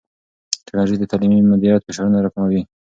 ټیکنالوژي د تعلیمي مدیریت فشارونه راکموي.